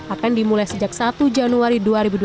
akan dimulai sejak satu januari dua ribu dua puluh